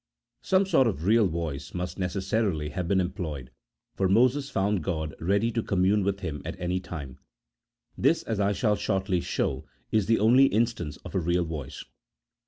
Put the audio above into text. Some sort of real voice must necessarily have been employed, for Moses found God ready to commune with him at any time. This, as I shall shortly show, is the only instance of a real voice.